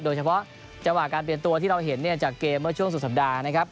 โดยเฉพาะจังหวะการเปลี่ยนตัวที่เราเห็นเนี่ยจากเกมเมื่อช่วงสุดสัปดาห์นะครับ